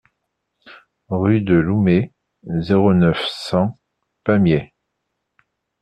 Rue de Loumet, zéro neuf, cent Pamiers